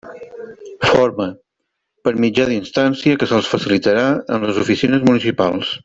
Forma: per mitjà d'instància que se'ls facilitarà en les oficines municipals.